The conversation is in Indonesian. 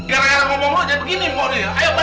gara gara ngomong lo jadi begini mbah ben